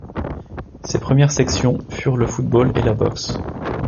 Ses premières sections furent le football et la boxe.